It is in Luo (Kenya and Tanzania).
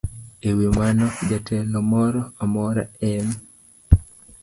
E wi mano, jatelo moro amora e m